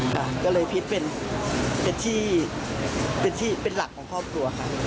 ค่ะก็เลยพีทเป็นเป็นที่เป็นที่เป็นหลักของครอบครัวค่ะ